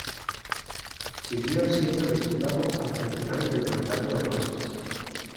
Siguió siendo diputado hasta el final del mandato de Rosas.